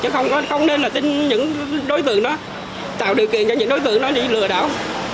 chứ không nên là tin những đối tượng đó tạo điều kiện cho những đối tượng đó bị lừa đảo